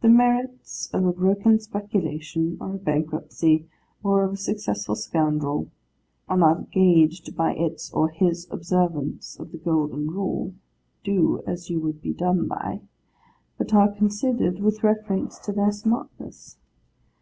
The merits of a broken speculation, or a bankruptcy, or of a successful scoundrel, are not gauged by its or his observance of the golden rule, 'Do as you would be done by,' but are considered with reference to their smartness.